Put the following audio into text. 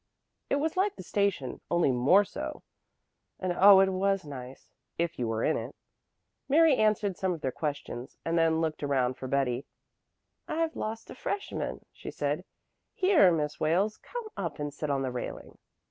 It was like the station, only more so, and oh, it was nice if you were in it. Mary answered some of their questions and then looked around for Betty. "I've lost a freshman," she said, "Here, Miss Wales, come up and sit on the railing.